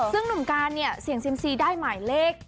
ซึ่งหนุ่มการเนี่ยเสี่ยงเซียมซีได้หมายเลข